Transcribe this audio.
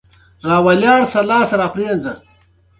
په غرونو ډېره واوره وشوه